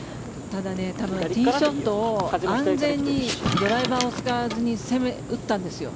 ただ、多分ティーショットを安全にドライバーを使わずに打ったんですよ。